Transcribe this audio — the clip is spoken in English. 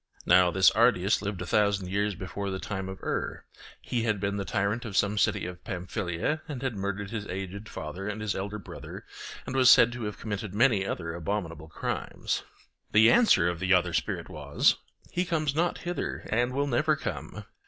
(Now this Ardiaeus lived a thousand years before the time of Er: he had been the tyrant of some city of Pamphylia, and had murdered his aged father and his elder brother, and was said to have committed many other abominable crimes.) The answer of the other spirit was: 'He comes not hither and will never come.